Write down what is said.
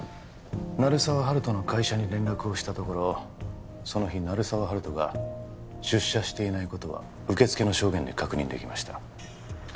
鳴沢温人の会社に連絡をしたところその日鳴沢温人が出社していないことは受付の証言で確認できました